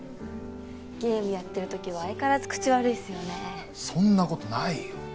ゲームやってる時は相変わらず口悪いっすよねそんなことないよ